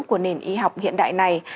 của nền y học hiện đại này